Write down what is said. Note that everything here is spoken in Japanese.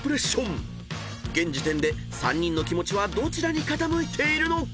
［現時点で３人の気持ちはどちらに傾いているのか］